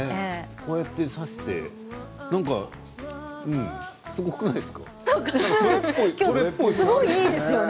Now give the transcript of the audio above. こうやって挿して今日すごくいいですよね。